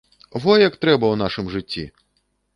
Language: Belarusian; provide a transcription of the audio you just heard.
Во як трэба ў нашым жыцці!